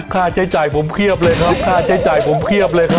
ค่าใช้จ่ายผมเพียบเลยครับค่าใช้จ่ายผมเพียบเลยครับ